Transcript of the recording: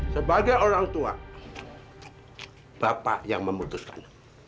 sebagai orang tua bapak yang memutuskan